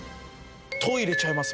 トイレちゃいます？